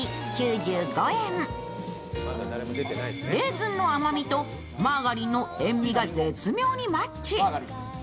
レーズンの甘みとマーガリンの塩味が絶妙にマッチ。